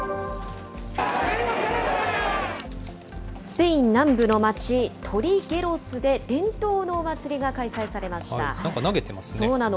スペイン南部の町トリゲロスで伝統のお祭りが開催されました。